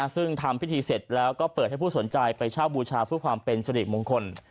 ซึ่งทำพิธีเสร็จแล้วก็เปิดให้ผู้สนใจไปเช่าบูชาเพื่อความเป็นสริมงคล